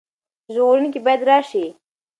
ژغورونکی باید راشي.